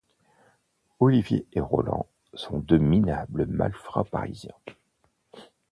Olivier et Roland sont deux minables malfrats parisiens.